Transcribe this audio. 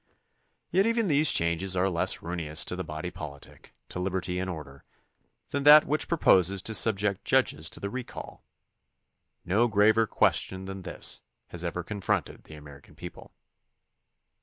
Yet even these changes are less ruinous to the body politic, to liberty and order, than that which proposes to subject judges to the recall. No graver question than this has ever confronted the American people.